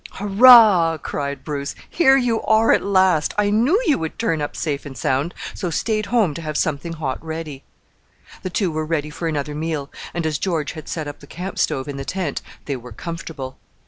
"Hurrah!" cried Bruce, "here you are at last; I knew you would turn up safe and sound, so stayed home to have something hot ready." The two were ready for another meal; and as George had set up the camp stove in the tent they were comfortable.